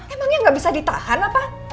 emangnya gak bisa ditahan apa